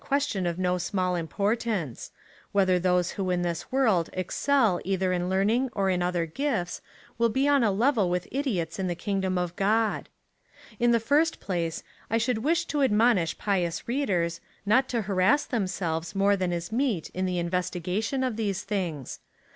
427 question of no small importance — whether those who in this world excel either in learning, or in other gifts, will be on a level with idiots in the kingdom of God ? In the first place, I should wish to admonish^ pious readers, not to ha rass themselves more than is meet in the investigation of these things.